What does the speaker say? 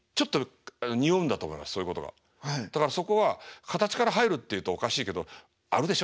だからそこは形から入るっていうとおかしいけどあるでしょ？